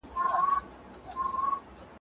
آیا ستاسو په کارونو کې دومره بیړه ده؟